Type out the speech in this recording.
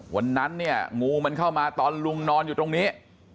วันนั้นเนี่ยงูมันเข้ามาตอนลุงนอนอยู่ตรงนี้